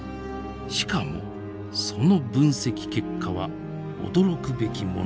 しかもその分析結果は驚くべきものでした。